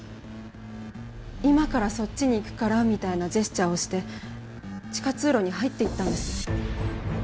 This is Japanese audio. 「今からそっちに行くから」みたいなジェスチャーをして地下通路に入っていったんです。